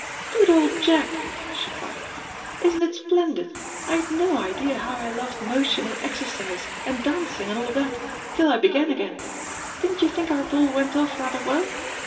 "Good old Jack," she cried, "isn't it splendid! I had no idea how I loved motion and exercise and dancing and all that till I began again. Didn't you think our ball went off rather well?